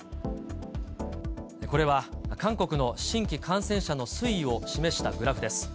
これは、韓国の新規感染者の推移を示したグラフです。